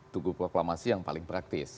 tugu proklamasi yang paling praktis